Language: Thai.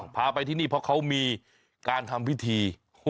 พาไปที่นี่เพราะเขามีการทำพิธี